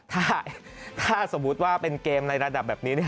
ถ้าสมมุติว่าเป็นเกมในระดับแบบนี้